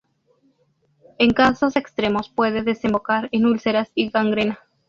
En casos extremos puede desembocar en úlceras y gangrena.